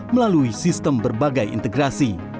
melalui sistem berbagai integrasi